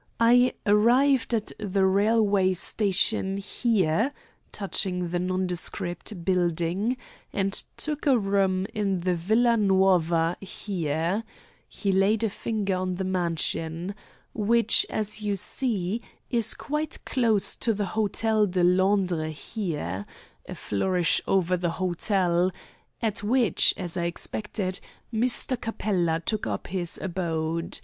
I arrived at the railway station here" (touching the non descript building), "and took a room in the Villa Nuova here" (he laid a finger on the mansion), "which, as you see, is quite close to the Hotel de Londres here" (a flourish over the hotel), "at which, as I expected, Mr. Capella took up his abode.